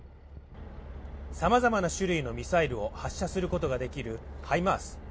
さまざまな種類のミサイルを発射することができるハイマース。